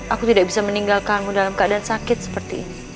aku tidak bisa meninggalkanmu dalam keadaan sakit seperti ini